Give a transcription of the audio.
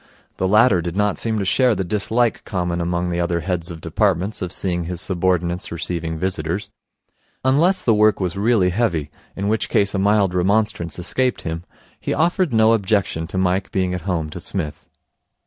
The latter did not seem to share the dislike common among the other heads of departments of seeing his subordinates receiving visitors. Unless the work was really heavy, in which case a mild remonstrance escaped him, he offered no objection to Mike being at home to Psmith.